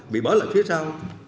bị bỏ lại phía sau